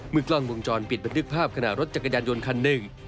กล้องวงจรปิดบันทึกภาพขณะรถจักรยานยนต์คันหนึ่ง